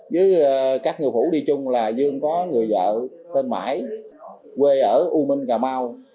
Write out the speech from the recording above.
với các ngư phủ đi chung là dương có người vợ tên mãi quê ở u minh cà mau